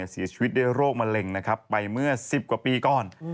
เสียชีวิตโรคมะเร็งไปเมื่อสิบกว่าปีก่อน